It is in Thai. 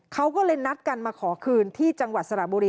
เขาก็เลยนัดกันมาขอคืนที่จังหวัดสระบุรี